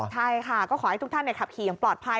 ใช่ค่ะก็ขอให้ทุกท่านขับขี่อย่างปลอดภัย